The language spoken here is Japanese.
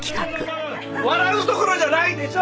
笑うところじゃないでしょ！